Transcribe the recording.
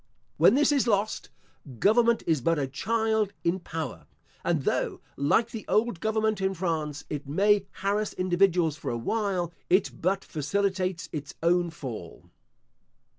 When this is lost, government is but a child in power; and though, like the old government in France, it may harass individuals for a while, it but facilitates its own fall.